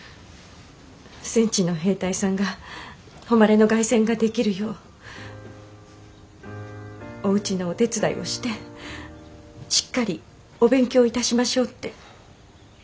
「戦地の兵隊さんが誉れの凱旋ができるようおうちのお手伝いをしてしっかりお勉強致しましょう」って。